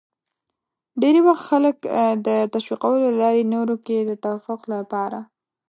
ډېری وخت خلک د تشویقولو له لارې نورو کې د توافق لپاره